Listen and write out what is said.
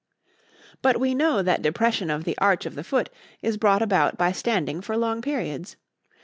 "But we know that depression of the arch of the foot is brought about by standing for long periods.